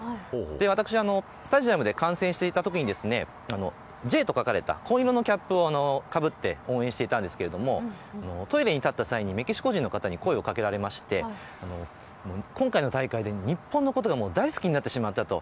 私がスタジアムで観戦していたときにＪと書かれた紺色のキャップを被って応援していたんですけどトイレに立った際にメキシコ人の方に声を掛けられて今回の大会で、日本のことが大好きになってしまったと。